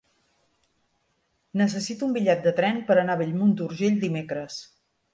Necessito un bitllet de tren per anar a Bellmunt d'Urgell dimecres.